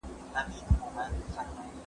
وينا د شخصيت هنداره ده.